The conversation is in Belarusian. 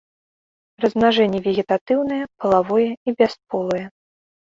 Размнажэнне вегетатыўнае, палавое і бясполае.